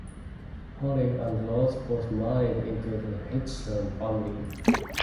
Hollins and Rose both married into the Hedstrom family.